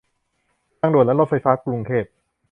ทางด่วนและรถไฟฟ้ากรุงเทพ